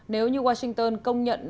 nếu như washington công nhận